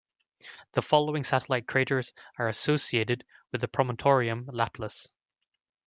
The following satellite craters are associated with the Promontorium Laplace.